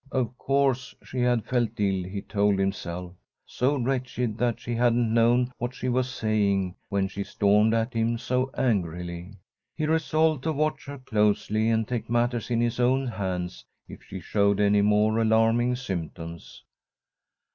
Of course she had felt ill, he told himself. So wretched that she hadn't known what she was saying when she stormed at him so angrily. He resolved to watch her closely, and take matters in his own hands if she showed any more alarming symptoms.